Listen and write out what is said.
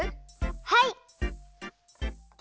はい！